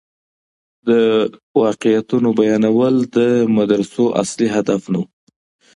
د واقعيتونو بيانول د مدرسو اصلي هدف نه و.